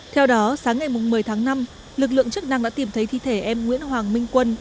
theo đó sáng ngày một mươi tháng năm lực lượng chức năng đã tìm thấy thi thể em nguyễn hoàng minh quân